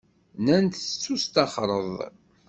Nnan-d tettusṭaxreḍ.